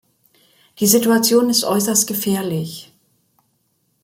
Die Situation ist äußerst gefährlich.